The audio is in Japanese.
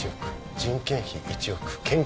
人件費１億研究